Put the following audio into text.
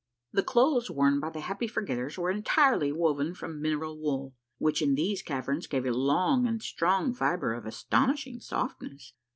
The clothes worn by the Happy Forge tters were entirely woven from mineral wool, which in these caverns gave a long and strong fibre of astonishing softness.